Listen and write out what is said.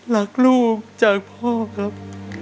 รักลูกจากพ่อครับ